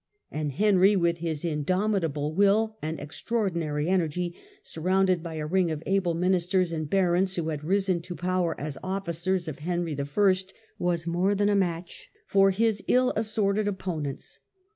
And Henry with his indomitable will and extra ordinary energy, surrounded by a ring of able ministers and barons who had risen to power as ofHcers of Henry I., was more than a match for his ill assorted opponents.